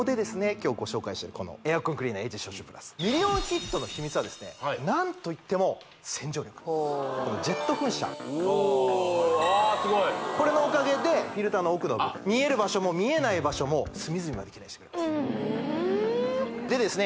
今日ご紹介したいこのエアコンクリーナーＡｇ消臭プラスミリオンヒットの秘密はですね何といっても洗浄力ジェット噴射おあすごいこれのおかげでフィルターの奥の部分見える場所も見えない場所も隅々までキレイにしてくれますでですね